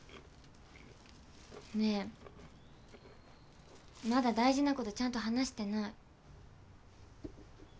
ねえまだ大事なことちゃんと話してない。